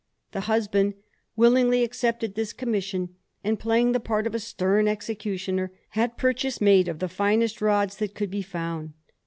The husband willingly accepted this commission, and, playing the part of a stern executioner, had purchase made of the finest rods that could be found.